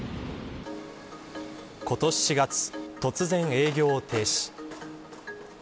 今年４月、突然営業を停止。